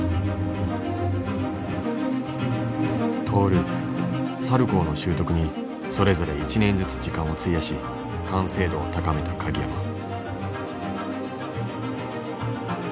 トーループサルコーの習得にそれぞれ１年ずつ時間を費やし完成度を高めた鍵山。